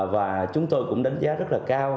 và chúng tôi cũng đánh giá rất là cao